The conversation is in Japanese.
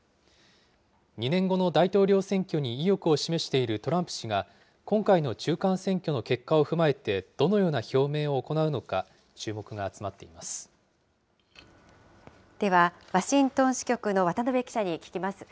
２年後の大統領選挙に意欲を示しているトランプ氏が、今回の中間選挙の結果を踏まえて、どのような表明を行うのか、注目が集まっでは、ワシントン支局の渡辺記者に聞きます。